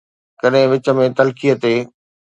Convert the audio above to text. ڪڏهن وچ ۾ تلخيءَ تي